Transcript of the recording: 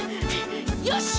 よし！